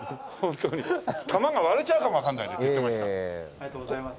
ありがとうございます。